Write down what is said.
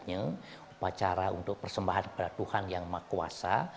ini adalah acara yang berkaitan dengan persembahan kepada tuhan yang maha kuasa